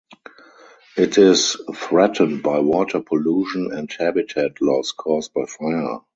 It is threatened by water pollution and habitat loss caused by fire.